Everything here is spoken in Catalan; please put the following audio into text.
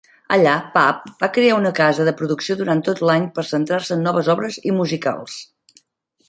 Allà, Papp va crear una casa de producció durant tot l'any per centrar-se en noves obres i musicals.